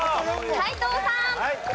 斎藤さん。